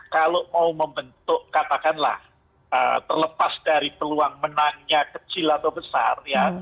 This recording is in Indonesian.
kalau mau membentuk katakanlah terlepas dari peluang menangnya kecil atau besar ya